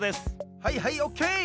はいはいオッケー！